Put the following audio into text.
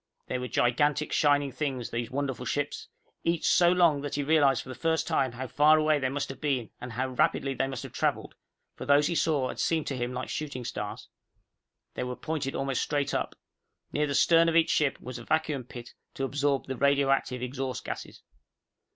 They were gigantic shining things, those wonderful ships, each so long that he realized for the first time how far away they must have been and how rapidly they must have traveled, for those he saw had seemed to him like shooting stars. They were pointed almost straight up. Near the stern of each ship was a vacuum pit to absorb the radioactive exhaust gases.